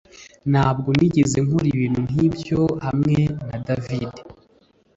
Ntabwo nigeze nkora ibintu nkibyo hamwe na David